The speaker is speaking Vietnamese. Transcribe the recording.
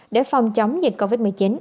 để phòng chống dịch covid một mươi chín